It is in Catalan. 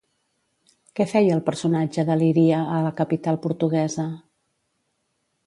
Què feia el personatge de l'Iria a la capital portuguesa?